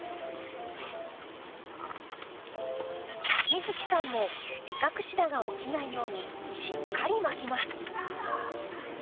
美月さんもビカクシダが落ちないようにしっかり巻きます。